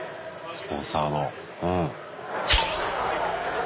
スポンサーの。